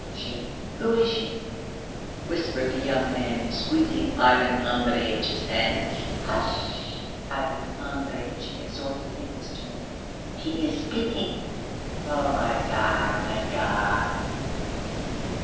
"She? Who is she?" whispered the young man, squeezing Ivan Andreyitch's hands. "Hush!" Ivan Andreyitch exhorted in his turn. "He is speaking." "Ah, my God, my God!"